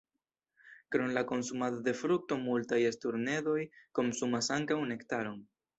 Krom la konsumado de frukto, multaj sturnedoj konsumas ankaŭ nektaron.